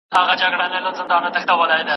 تاسو خپله تجربه په بېلابېلو مسایلو کې وکاروئ.